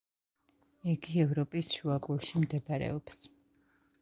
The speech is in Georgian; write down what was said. იგი ევროპის შუაგულში მდებარეობს.